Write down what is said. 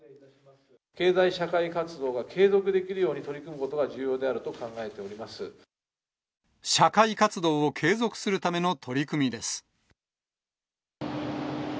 経済社会活動が継続できるように取り組むことが重要であると社会活動を継続するための取り組みです。